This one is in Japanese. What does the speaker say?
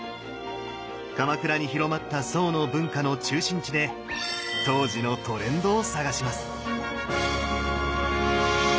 鎌倉に広まった宋の文化の中心地で当時のトレンドを探します！